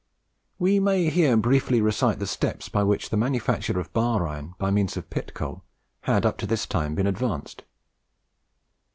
We may here briefly recite the steps by which the manufacture of bar iron by means of pit coal had up to this time been advanced.